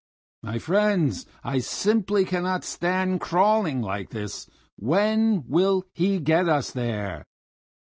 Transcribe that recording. My friends, I simply cannot stand crawling like this! When will he get us there?"